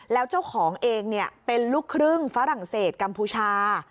แล้วเจ้าของเองเป็นลูกครึ่งฝรั่งเศสกัมพูชา